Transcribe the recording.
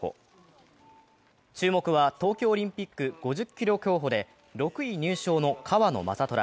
注目は東京オリンピック５０ｋｍ競歩で６位入賞の川野将虎。